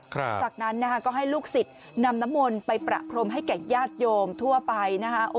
จากนั้นนะคะก็ให้ลูกศิษย์นำน้ำมนต์ไปประพรมให้แก่ญาติโยมทั่วไปนะคะ